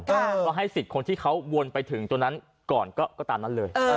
ก็ให้สิทธิ์คนที่เขาวนไปถึงตัวนั้นก่อนก็ตามนั้นเลย